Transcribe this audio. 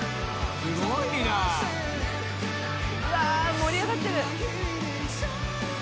「盛り上がってる」